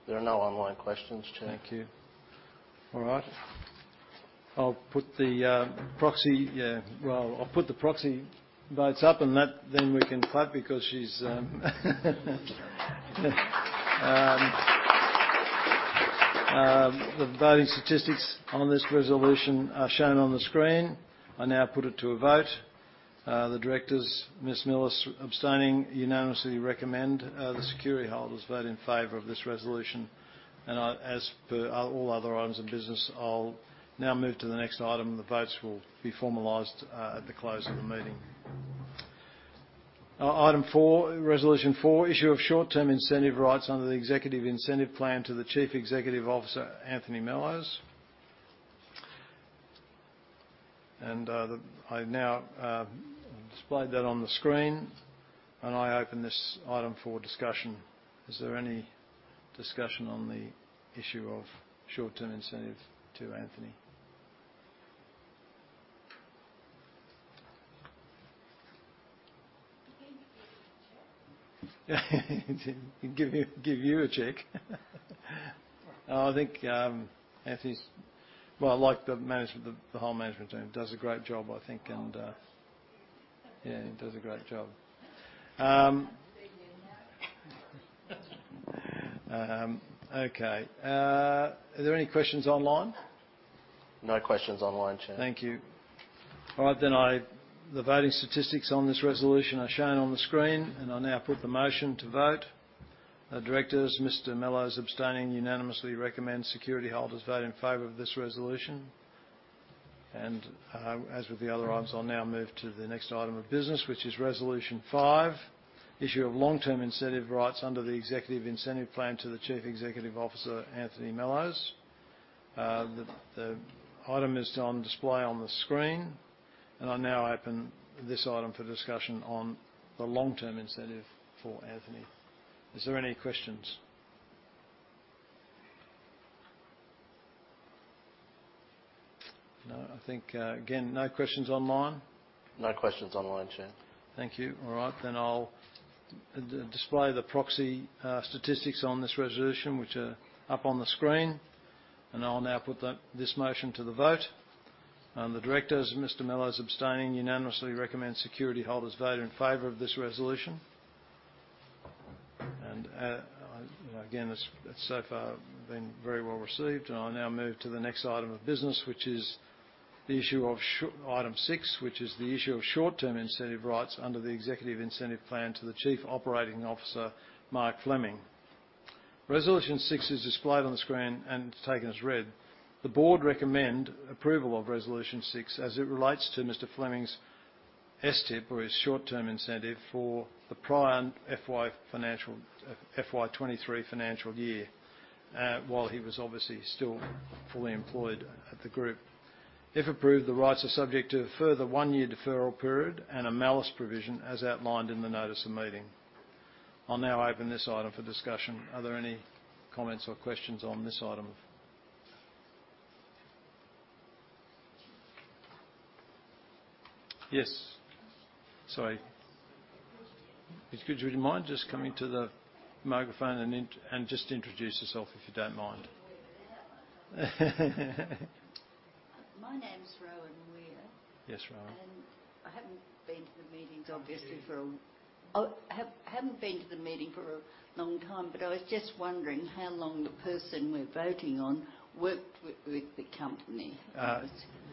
There are no online questions, Chair.
Thank you. All right, I'll put the proxy votes up, and that then we can clap because she's the voting statistics on this resolution are shown on the screen. I now put it to a vote. The directors, Ms. Milis abstaining, unanimously recommend the security holders vote in favor of this resolution, and I, as per all, all other items of business, I'll now move to the next item, and the votes will be formalized at the close of the meeting. Item four, Resolution Four: Issue of short-term incentive rights under the Executive Incentive Plan to the Chief Executive Officer, Anthony Mellowes. I've now displayed that on the screen, and I open this item for discussion. Is there any discussion on the issue of short-term incentive to Anthony?
You can give him a check.
Give you a check?
Right.
I think, Anthony's... Well, I like the management, the, the whole management team. Does a great job, I think, and,
Oh, yes.
Yeah, he does a great job.
Big name now.
Okay. Are there any questions online?
No questions online, Chair.
Thank you. All right, then the voting statistics on this resolution are shown on the screen, and I now put the motion to vote. Our directors, Mr. Mellowes, abstaining, unanimously recommend security holders vote in favor of this resolution. And, as with the other items, I'll now move to the next item of business, which is Resolution Five: Issue of long-term incentive rights under the Executive Incentive Plan to the Chief Executive Officer, Anthony Mellowes. The item is on display on the screen, and I now open this item for discussion on the long-term incentive for Anthony. Is there any questions? No, I think, again, no questions online?
No questions online, Chair.
Thank you. All right, then I'll display the proxy statistics on this resolution, which are up on the screen, and I'll now put this motion to the vote. And the directors, Mr. Mellowes, abstaining, unanimously recommend security holders vote in favor of this resolution. And again, that's so far been very well received. And I now move to the next item of business, which is Item Six, the issue of short-term incentive rights under the Executive Incentive Plan to the Chief Operating Officer, Mark Fleming. Resolution Six is displayed on the screen and taken as read. The board recommend approval of Resolution Six as it relates to Mr. Fleming's STIP, or his short-term incentive, for the prior FY financial, FY 2023 financial year, while he was obviously still fully employed at the group. If approved, the rights are subject to a further one-year deferral period and a malice provision, as outlined in the notice of meeting. I'll now open this item for discussion. Are there any comments or questions on this item? Yes. Sorry.
Would you- Could you, would you mind just coming to the microphone and just introduce yourself, if you don't mind?
My name's Rowan Weir.
Yes, Rowan.
I haven't been to the meetings, obviously, for a-
Mm-hmm.
I haven't been to the meeting for a long time, but I was just wondering how long the person we're voting on worked with the company?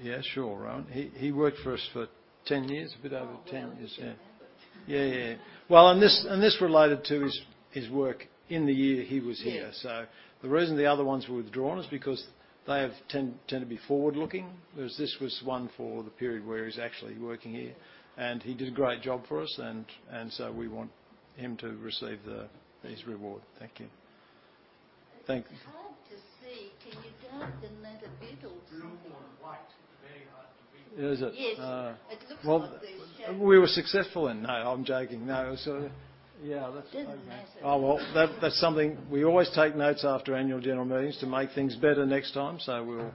Yeah, sure, Rowan. He worked for us for Ten years, a bit over Ten years.
Oh, wow. Okay.
Yeah, yeah. Well, and this related to his work in the year he was here.
Yeah.
The reason the other ones were withdrawn is because they have tend to be forward-looking.
Mm-hmm.
Whereas this was one for the period where he's actually working here. Yeah. He did a great job for us, and so we want him to receive this reward. Thank you. Thank-
It's hard to see. Can you darken that a little or something?
It's written more in white. It's very hard to read.
Is it?
Yes.
Uh.
It looks like there's shade.
Well, we were successful in... No, I'm joking. No, so, yeah, that's-
It doesn't matter.
Oh, well, that, that's something... We always take notes after annual general meetings to make things better next time, so we'll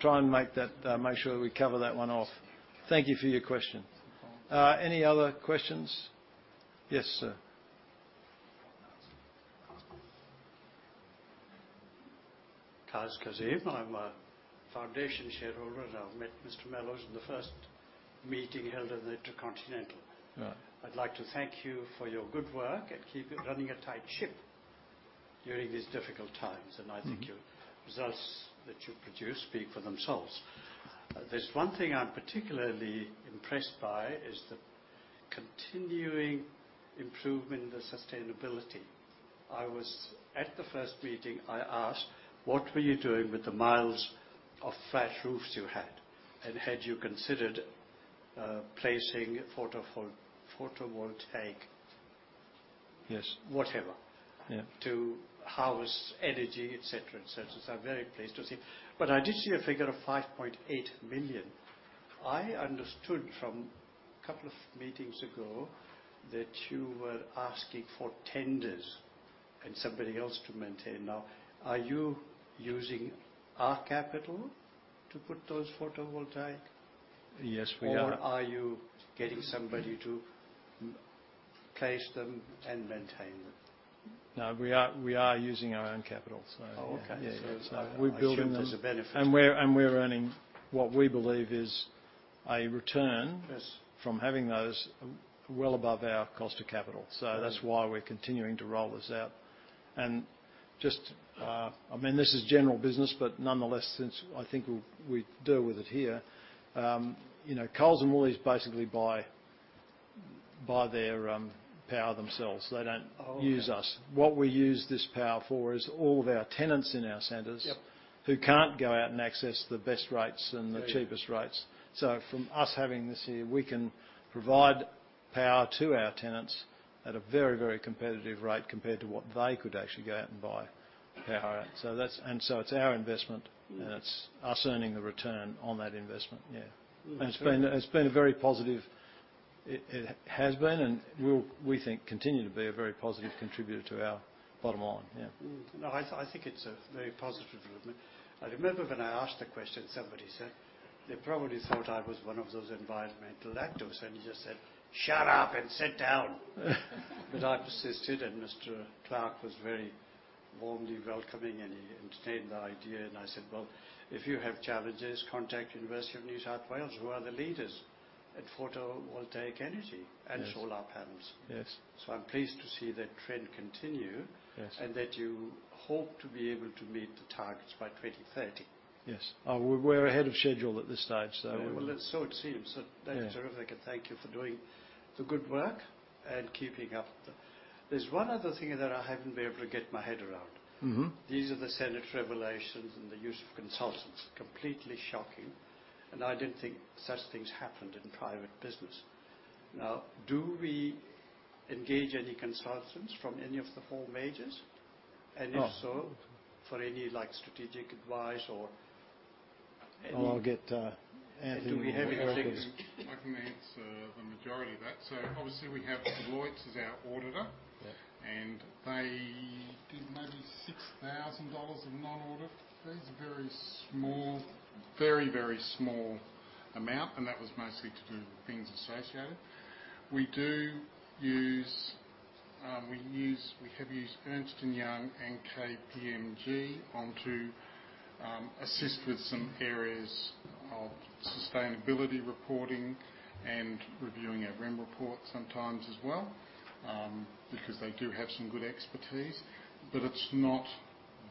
try and make that, make sure we cover that one off. Thank you for your question. Any other questions? Yes, sir....
Kaz Kazim. I'm a foundation shareholder, and I've met Mr. Mellowes in the first meeting held at the InterContinental.
Right.
I'd like to thank you for your good work and running a tight ship during these difficult times.
Mm-hmm.
I think your results that you produce speak for themselves. There's one thing I'm particularly impressed by is the continuing improvement in the sustainability. I was at the first meeting, I asked, "What were you doing with the miles of flat roofs you had? And had you considered placing photovoltaic-
Yes.
-whatever-
Yeah...
to house energy, et cetera, et cetera?" So I'm very pleased to see. But I did see a figure of $5.8 million. I understood from a couple of meetings ago that you were asking for tenders and somebody else to maintain. Now, are you using our capital to put those photovoltaic?
Yes, we are.
Or are you getting somebody to place them and maintain them?
No, we are, we are using our own capital, so-
Oh, okay.
Yeah, yeah. So we're building them-
I assume there's a benefit.
And we're earning what we believe is a return-
Yes...
from having those well above our cost of capital.
Mm-hmm.
So that's why we're continuing to roll this out. And just, I mean, this is general business, but nonetheless, since I think we'll deal with it here. You know, Coles and Woolies basically buy their power themselves. They don't-
Oh, okay.
What we use this power for is all of our tenants in our centers.
Yep...
who can't go out and access the best rates and-
Yeah
the cheapest rates. So from us having this here, we can provide power to our tenants at a very, very competitive rate compared to what they could actually go out and buy power at.
Yeah.
So it's our investment
Mm-hmm...
and it's us earning the return on that investment. Yeah.
Mm-hmm.
It's been a very positive... It has been, and will, we think, continue to be a very positive contributor to our bottom line. Yeah.
Mm-hmm. No, I, I think it's a very positive development. I remember when I asked the question, somebody said, they probably thought I was one of those environmental activists, and he just said, "Shut up and sit down!" But I persisted, and Mr. Clark was very warmly welcoming, and he entertained the idea. And I said, "Well, if you have challenges, contact University of New South Wales, who are the leaders at photovoltaic energy-
Yes
- and solar panels.
Yes.
I'm pleased to see that trend continue-
Yes...
and that you hope to be able to meet the targets by 2030.
Yes. We're ahead of schedule at this stage, so-
Well, so it seems.
Yeah.
So that is terrific, and thank you for doing the good work and keeping up the... There's one other thing that I haven't been able to get my head around.
Mm-hmm.
These are the Senate revelations and the use of consultants. Completely shocking, and I didn't think such things happened in private business. Now, do we engage any consultants from any of the four majors?
Oh.
And if so, for any, like, strategic advice or any-
I'll get, Anthony to-
Do we have any-
I can answer the majority of that. Obviously, we have Deloitte as our auditor.
Yeah.
They did maybe $6,000 of non-audit. There's a very small, very, very small amount, and that was mostly to do with things associated. We do use, we use, we have used Ernst & Young and KPMG on to assist with some areas of sustainability reporting and reviewing our REM report sometimes as well, because they do have some good expertise. But it's not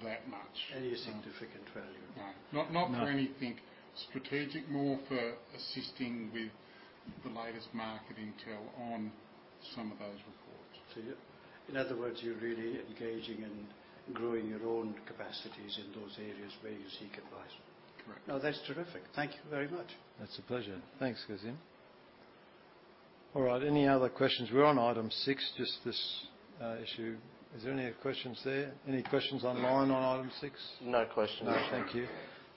that much.
Any significant value?
No.
No...
for anything strategic, more for assisting with the latest market intel on some of those reports.
So in other words, you're really engaging and growing your own capacities in those areas where you seek advice.
Correct.
No, that's terrific. Thank you very much.
That's a pleasure. Thanks, Kazim. All right, any other questions? We're on item six, just this issue. Is there any questions there? Any questions online on item six?
No questions.
No, thank you.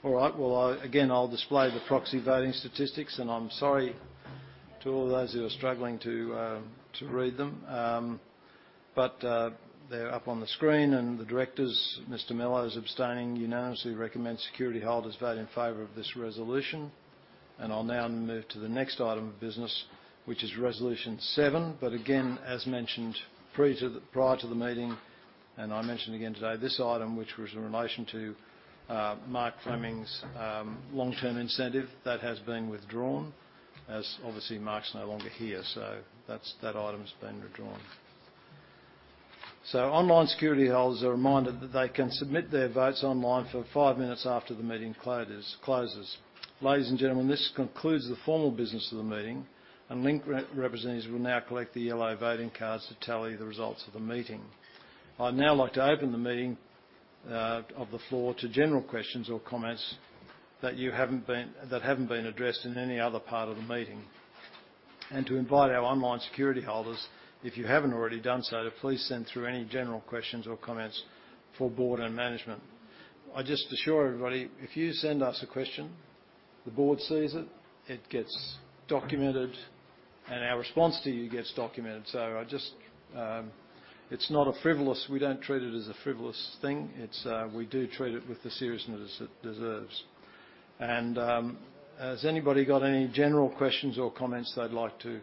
All right. Well, I again, I'll display the proxy voting statistics, and I'm sorry to all those who are struggling to read them. But they're up on the screen, and the directors, Mr. Mellowes, abstaining unanimously, recommend security holders vote in favor of this resolution. I'll now move to the next item of business, which is Resolution 7. But again, as mentioned prior to the meeting, and I'll mention again today, this item, which was in relation to Mark Fleming's long-term incentive, has been withdrawn, as obviously Mark's no longer here, so that's, that item's been withdrawn. So online security holders are reminded that they can submit their votes online for 5 minutes after the meeting closes. Ladies and gentlemen, this concludes the formal business of the meeting, and Link representatives will now collect the yellow voting cards to tally the results of the meeting. I'd now like to open the floor to general questions or comments that haven't been addressed in any other part of the meeting. And to invite our online security holders, if you haven't already done so, to please send through any general questions or comments for board and management. I just assure everybody, if you send us a question, the board sees it, it gets documented, and our response to you gets documented. So I just, It's not a frivolous, we don't treat it as a frivolous thing. It's, we do treat it with the seriousness it deserves. And, has anybody got any general questions or comments they'd like to...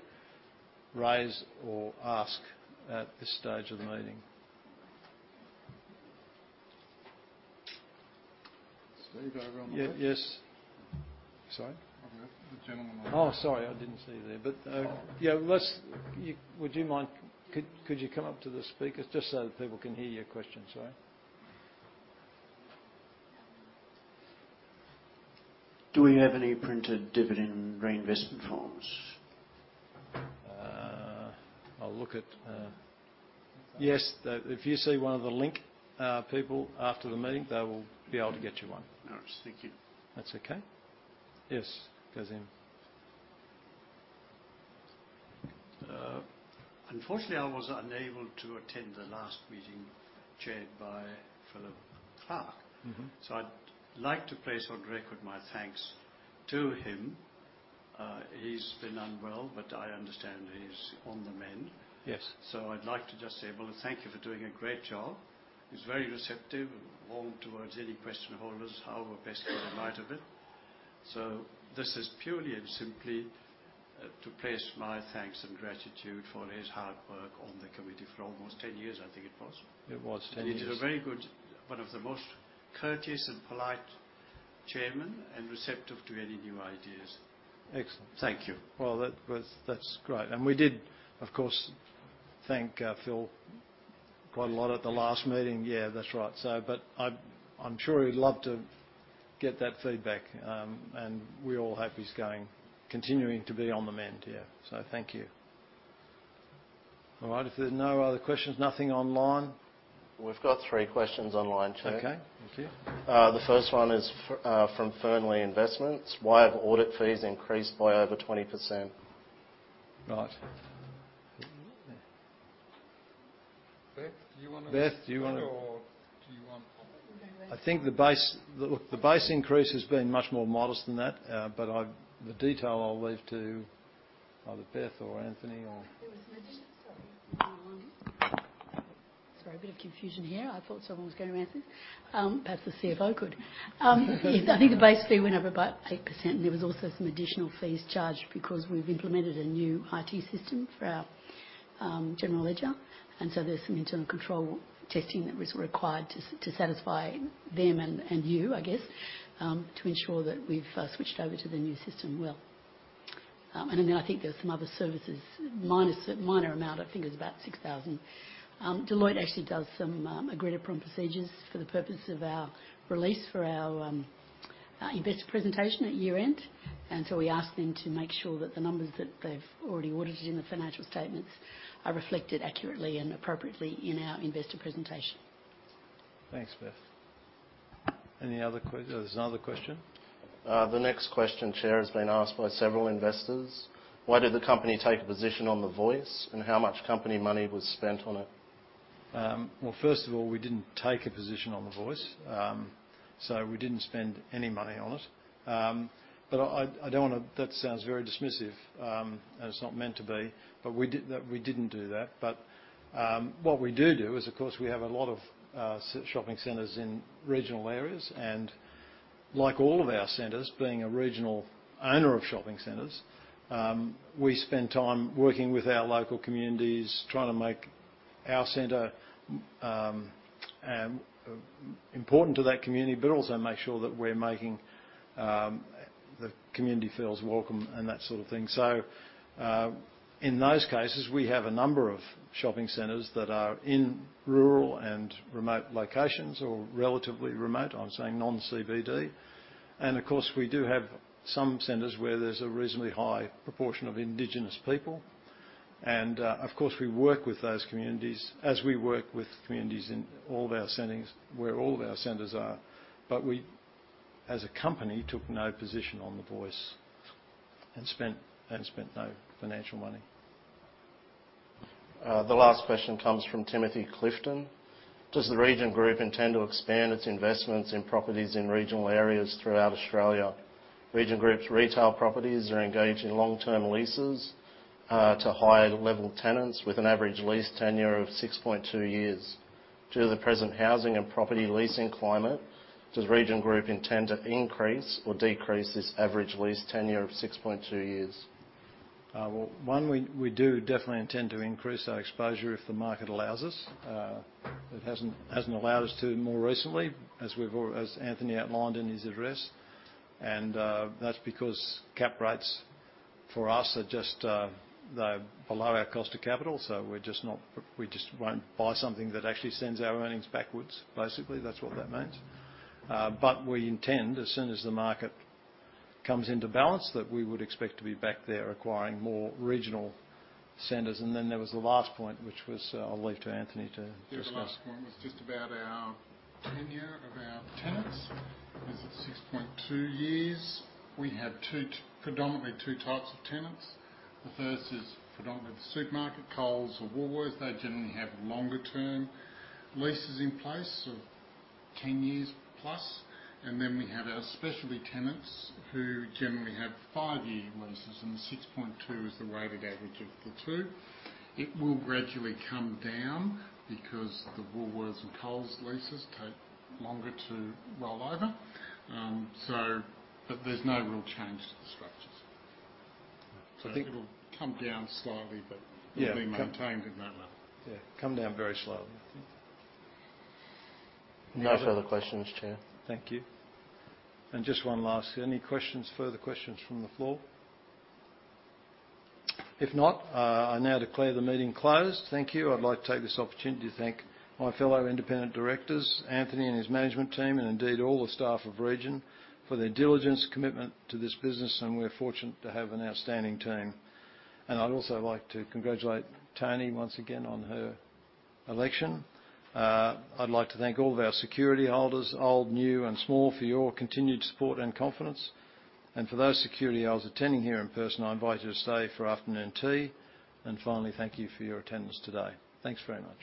raise or ask at this stage of the meeting?
Steve, over on the-
Yes. Sorry?
The gentleman over-
Oh, sorry, I didn't see you there. But, yeah, would you mind, could you come up to the speakers just so that people can hear your question, sorry?
Do we have any printed dividend reinvestment forms?
Yes, if you see one of the Link people after the meeting, they will be able to get you one.
All right. Thank you.
That's okay. Yes, Kaz.
Unfortunately, I was unable to attend the last meeting chaired by Philip Clark.
Mm-hmm.
So I'd like to place on record my thanks to him. He's been unwell, but I understand he's on the mend.
Yes.
I'd like to just say, well, thank you for doing a great job. He's very receptive and warm towards any question holders, however best they might have it. This is purely and simply to place my thanks and gratitude for his hard work on the committee for almost ten years, I think it was.
It was Ten years.
He's one of the most courteous and polite chairman, and receptive to any new ideas.
Excellent.
Thank you.
Well, that was, that's great. And we did, of course, thank Phil quite a lot at the last meeting. Yeah, that's right. So but I, I'm sure he'd love to get that feedback, and we all hope he's going, continuing to be on the mend. Yeah. So thank you. All right, if there's no other questions, nothing online?
We've got three questions online, Chair.
Okay. Thank you.
The first one is from Thorney Investments: Why have audit fees increased by over 20%?
Right.
Beth, do you wanna-
Beth, do you wanna-
Or do you want...?
I think the base... Look, the base increase has been much more modest than that, but I've-- the detail I'll leave to either Beth or Anthony or-
It was mentioned. Sorry, bit of confusion here. I thought someone was going to answer. Perhaps the CFO could. I think the base fee went up by 8%, and there was also some additional fees charged because we've implemented a new IT system for our general ledger. And so there's some internal control testing that was required to satisfy them and, and you, I guess, to ensure that we've switched over to the new system well. And then I think there are some other services, minus a minor amount, I think it was about 6,000. Deloitte actually does some agreed-upon procedures for the purpose of our release, for our investor presentation at year-end. We ask them to make sure that the numbers that they've already audited in the financial statements are reflected accurately and appropriately in our investor presentation.
Thanks, Beth. Any other question? There's another question?
The next question, Chair, has been asked by several investors: Why did the company take a position on the Voice, and how much company money was spent on it?
Well, first of all, we didn't take a position on the Voice. So we didn't spend any money on it. But I, I, I don't wanna-- that sounds very dismissive, and it's not meant to be, but we did, we didn't do that. But, what we do is, of course, we have a lot of shopping centers in regional areas, and like all of our centers, being a regional owner of shopping centers, we spend time working with our local communities, trying to make our center important to that community, but also make sure that we're making the community feels welcome and that sort of thing. So, in those cases, we have a number of shopping centers that are in rural and remote locations or relatively remote, I'm saying non-CBD. Of course, we do have some centers where there's a reasonably high proportion of Indigenous people. Of course, we work with those communities as we work with communities in all of our centers, where all of our centers are. But we, as a company, took no position on the Voice and spent no financial money.
The last question comes from Timothy Clifton: Does the Region Group intend to expand its investments in properties in regional areas throughout Australia? Region Group's retail properties are engaged in long-term leases to higher level tenants with an average lease tenure of 6.2 years. Due to the present housing and property leasing climate, does Region Group intend to increase or decrease this average lease tenure of 6.2 years?
Well, one, we do definitely intend to increase our exposure if the market allows us. It hasn't allowed us to more recently, as Anthony outlined in his address, and that's because cap rates for us are just, they're below our cost of capital, so we just won't buy something that actually sends our earnings backwards. Basically, that's what that means. But we intend, as soon as the market comes into balance, that we would expect to be back there acquiring more regional centers. And then there was the last point, which was, I'll leave to Anthony to discuss.
The last point was just about our tenure of our tenants, is at 6.2 years. We have predominantly two types of tenants. The first is predominantly the supermarket, Coles or Woolworths. They generally have longer-term leases in place of Ten years plus. And then we have our specialty tenants, who generally have 5-year leases, and the 6.2 is the weighted average of the two. It will gradually come down because the Woolworths and Coles leases take longer to roll over. So, but there's no real change to the structures.
Right.
I think it'll come down slightly-
Yeah...
but will be maintained at that level.
Yeah, come down very slowly, I think.
No further questions, Chair.
Thank you. And just one last, any questions, further questions from the floor? If not, I now declare the meeting closed. Thank you. I'd like to take this opportunity to thank my fellow independent directors, Anthony and his management team, and indeed all the staff of Region, for their diligence, commitment to this business, and we're fortunate to have an outstanding team. And I'd also like to congratulate Toni once again on her election. I'd like to thank all of our security holders, old, new, and small, for your continued support and confidence. And for those security holders attending here in person, I invite you to stay for afternoon tea. Finally, thank you for your attendance today. Thanks very much.